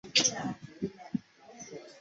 古时由中臣式宣读。